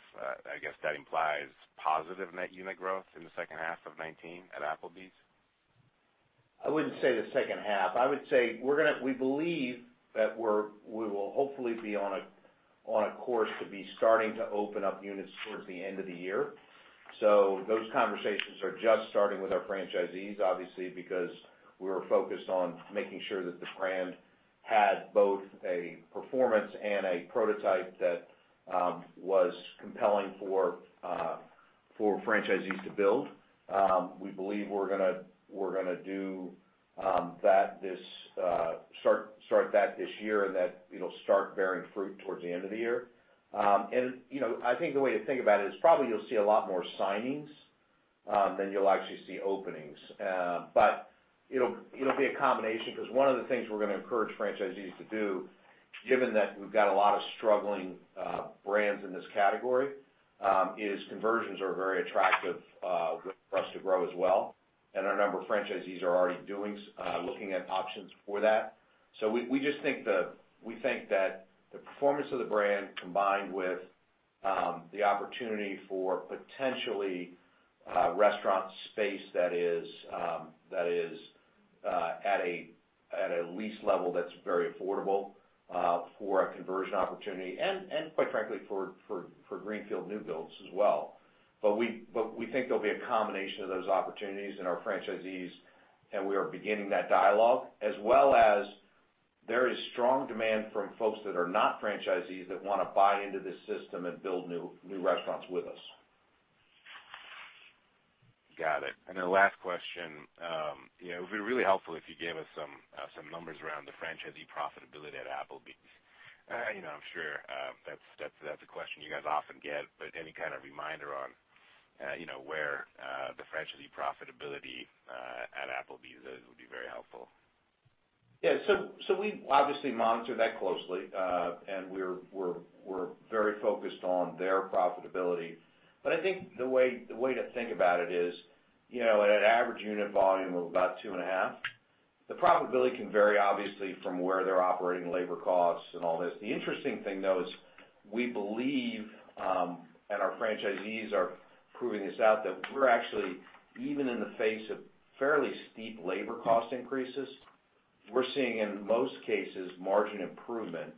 Speaker 9: I guess that implies positive net unit growth in the second half of 2019 at Applebee's.
Speaker 3: I wouldn't say the second half. I would say we believe that we will hopefully be on a course to be starting to open up units towards the end of the year. Those conversations are just starting with our franchisees, obviously, because we were focused on making sure that the brand had both a performance and a prototype that was compelling for franchisees to build. We believe we're going to start that this year, and that it'll start bearing fruit towards the end of the year. I think the way to think about it is probably you'll see a lot more signings than you'll actually see openings. It'll be a combination because one of the things we're going to encourage franchisees to do, given that we've got a lot of struggling brands in this category, is conversions are very attractive for us to grow as well, and a number of franchisees are already looking at options for that. We think that the performance of the brand combined with the opportunity for potentially restaurant space that is at a lease level that's very affordable for a conversion opportunity and quite frankly for greenfield new builds as well. We think there'll be a combination of those opportunities and our franchisees, and we are beginning that dialogue as well as there is strong demand from folks that are not franchisees that want to buy into this system and build new restaurants with us.
Speaker 9: Got it. Last question. It would be really helpful if you gave us some numbers around the franchisee profitability at Applebee's. I'm sure that's a question you guys often get, but any kind of reminder on where the franchisee profitability at Applebee's is, would be very helpful.
Speaker 3: Yeah. We obviously monitor that closely, and we're very focused on their profitability. I think the way to think about it is, at an average unit volume of about two and a half, the profitability can vary, obviously, from where they're operating labor costs and all this. The interesting thing, though, is we believe, and our franchisees are proving this out, that we're actually, even in the face of fairly steep labor cost increases, we're seeing, in most cases, margin improvement,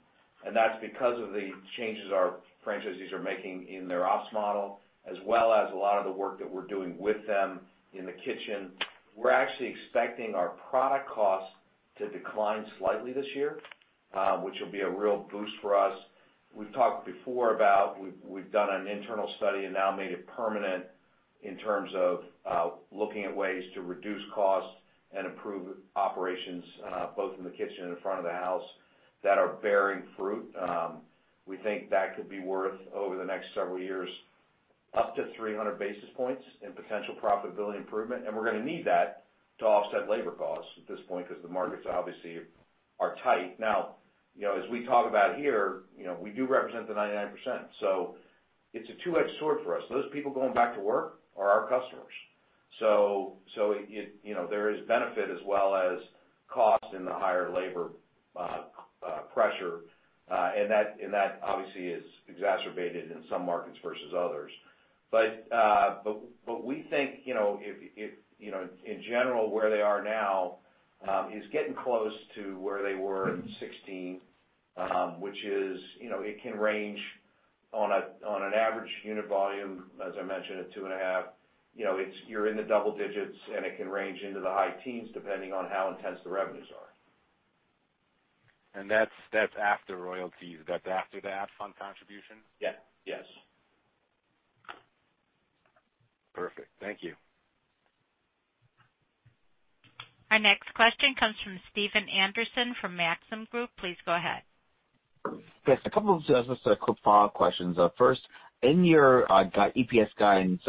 Speaker 3: and that's because of the changes our franchisees are making in their ops model, as well as a lot of the work that we're doing with them in the kitchen. We're actually expecting our product costs to decline slightly this year, which will be a real boost for us. We've talked before about, we've done an internal study and now made it permanent in terms of looking at ways to reduce costs and improve operations, both in the kitchen and the front of the house that are bearing fruit. We think that could be worth, over the next several years, up to 300 basis points in potential profitability improvement, and we're going to need that to offset labor costs at this point because the markets obviously are tight. Now, as we talk about here, we do represent the 99%, so it's a two-edged sword for us. Those people going back to work are our customers. There is benefit as well as cost in the higher labor pressure, and that obviously is exacerbated in some markets versus others. We think, in general, where they are now is getting close to where they were in 2016, which is it can range on an average unit volume, as I mentioned, at two and a half. You're in the double digits, and it can range into the high teens, depending on how intense the revenues are.
Speaker 9: That's after royalties. That's after the ad fund contribution?
Speaker 3: Yes.
Speaker 9: Perfect. Thank you.
Speaker 1: Our next question comes from Stephen Anderson from Maxim Group. Please go ahead.
Speaker 10: Yes, a couple of just quick follow-up questions. First, in your EPS guidance,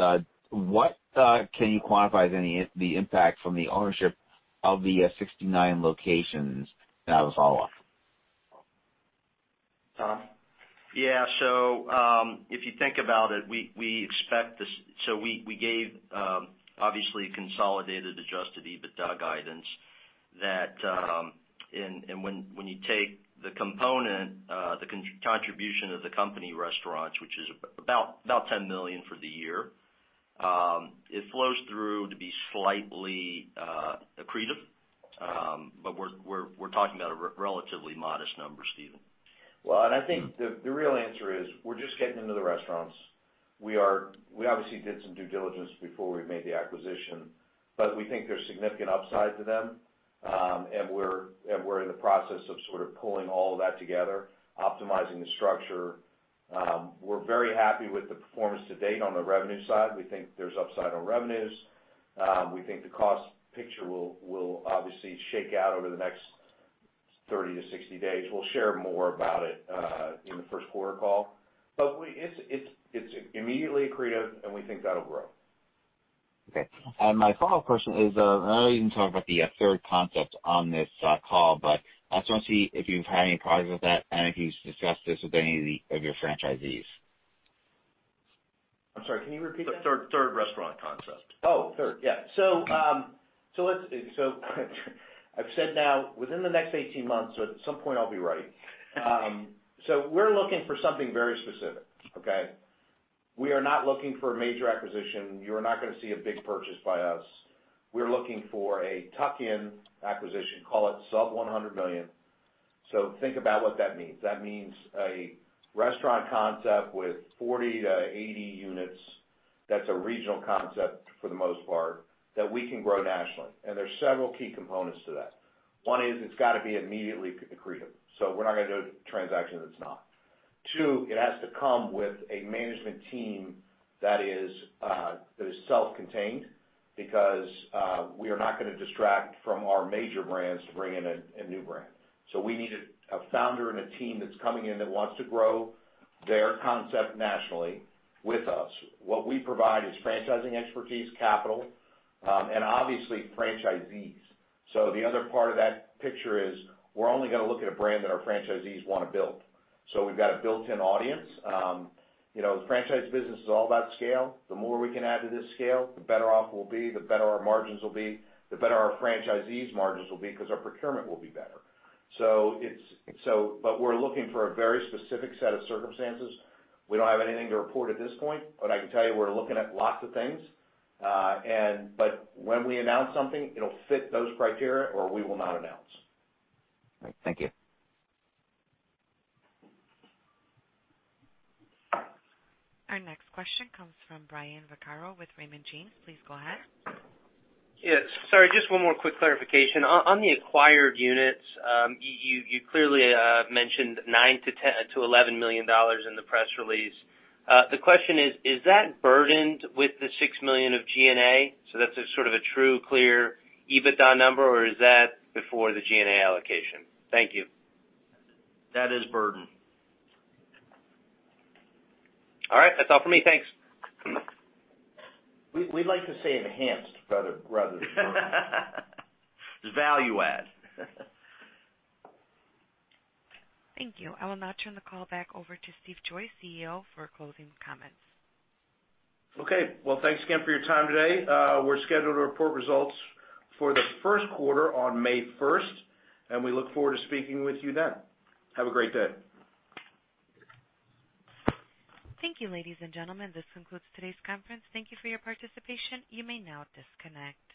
Speaker 10: what can you quantify as the impact from the ownership of the 69 locations that was off?
Speaker 3: Tom?
Speaker 4: Yeah. If you think about it, we gave obviously consolidated adjusted EBITDA guidance that, when you take the component, the contribution of the company restaurants, which is about $10 million for the year, it flows through to be slightly accretive. We're talking about a relatively modest number, Stephen.
Speaker 3: Well, I think the real answer is we're just getting into the restaurants. We obviously did some due diligence before we made the acquisition, we think there's significant upside to them, we're in the process of sort of pulling all of that together, optimizing the structure. We're very happy with the performance to date on the revenue side. We think there's upside on revenues. We think the cost picture will obviously shake out over the next 30 to 60 days. We'll share more about it in the first quarter call. It's immediately accretive and we think that'll grow.
Speaker 10: Okay. My follow-up question is, I know you didn't talk about the third concept on this call, I just want to see if you've had any progress with that and if you've discussed this with any of your franchisees.
Speaker 3: I'm sorry, can you repeat that?
Speaker 4: The third restaurant concept.
Speaker 3: Oh, third. Yeah. I've said now within the next 18 months, at some point I'll be right. We're looking for something very specific, okay? We are not looking for a major acquisition. You are not going to see a big purchase by us. We're looking for a tuck-in acquisition, call it sub-$100 million. Think about what that means. That means a restaurant concept with 40 to 80 units, that's a regional concept for the most part, that we can grow nationally. There's several key components to that. One is it's got to be immediately accretive. We're not going to do a transaction that's not. Two, it has to come with a management team that is self-contained because we are not going to distract from our major brands to bring in a new brand. We need a founder and a team that's coming in that wants to grow their concept nationally with us. What we provide is franchising expertise, capital, and obviously franchisees. The other part of that picture is we're only going to look at a brand that our franchisees want to build. We've got a built-in audience. The franchise business is all about scale. The more we can add to this scale, the better off we'll be, the better our margins will be, the better our franchisees' margins will be because our procurement will be better. We're looking for a very specific set of circumstances. We don't have anything to report at this point, but I can tell you we're looking at lots of things. When we announce something, it'll fit those criteria or we will not announce.
Speaker 10: All right. Thank you.
Speaker 1: Our next question comes from Brian Vaccaro with Raymond James. Please go ahead.
Speaker 8: Yes. Sorry, just one more quick clarification. On the acquired units, you clearly mentioned $9 million-$11 million in the press release. The question is that burdened with the $6 million of G&A, so that's a sort of a true clear EBITDA number, or is that before the G&A allocation? Thank you.
Speaker 4: That is burdened.
Speaker 8: All right. That's all for me. Thanks.
Speaker 3: We like to say enhanced rather than burdened.
Speaker 4: It's value add.
Speaker 1: Thank you. I will now turn the call back over to Steve Joyce, CEO, for closing comments.
Speaker 3: Okay. Well, thanks again for your time today. We're scheduled to report results for the first quarter on May 1st. We look forward to speaking with you then. Have a great day.
Speaker 1: Thank you, ladies and gentlemen. This concludes today's conference. Thank you for your participation. You may now disconnect.